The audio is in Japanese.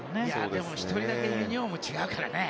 でも、１人だけユニホームが違うからね。